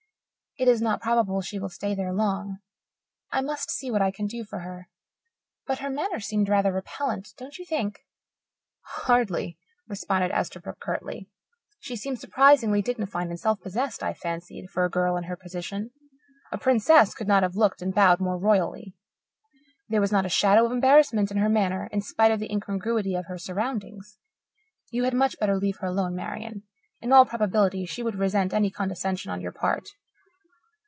It is not probable she will stay there long. I must see what I can do for her, but her manner seemed rather repellent, don't you think?" "Hardly," responded Esterbrook curtly. "She seemed surprisingly dignified and self possessed, I fancied, for a girl in her position. A princess could not have looked and bowed more royally. There was not a shadow of embarrassment in her manner, in spite of the incongruity of her surroundings. You had much better leave her alone, Marian. In all probability she would resent any condescension on your part.